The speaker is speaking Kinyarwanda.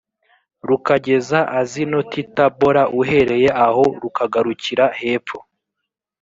rukagera azinotitabora uhereye aho rukagarukira hepfo